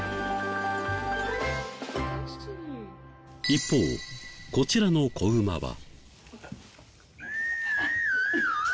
一方こちらの子馬は。